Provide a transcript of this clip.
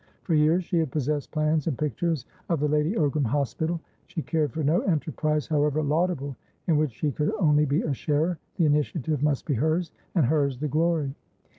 For years she had possessed plans and pictures of "The Lady Ogram Hospital." She cared for no enterprise, however laudable, in which she could only be a sharer; the initiative must be hers, and hers the glory.